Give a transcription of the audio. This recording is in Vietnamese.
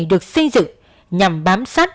được xây dựng nhằm bám sát